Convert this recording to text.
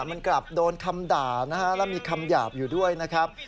มันกลับโดนคำด่านะฮะแล้วมีคำหยาบอยู่ด้วยนะครับ